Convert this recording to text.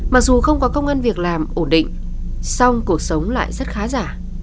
mặc dù không có công an việc làm ổn định song cuộc sống lại rất khá giả